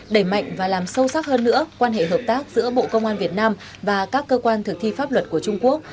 đẩy mạnh và làm sâu sắc hơn nữa quan hệ hợp tác giữa bộ công an việt nam và các cơ quan thực thi pháp luật của trung quốc